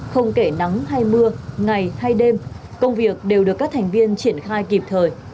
không kể nắng hay mưa ngày hay đêm công việc đều được các thành viên triển khai kịp thời